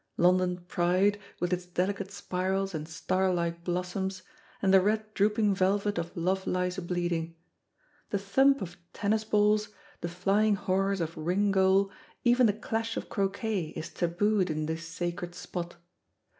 London pride, with its delicate spirals and star like blossoms, and the red drooping velvet of love lies a bleeding. The thump of tennis balls, the flying horrors of ring goal, even the clash of croquet is tabooed in this sacred spot.